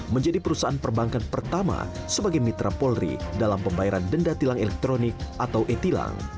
menjadi perusahaan perbankan pertama sebagai mitra polri dalam pembayaran denda tilang elektronik atau e tilang